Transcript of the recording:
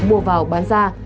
mua vào bán ra